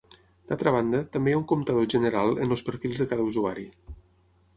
D'altra banda, també hi ha un comptador general en els perfils de cada usuari.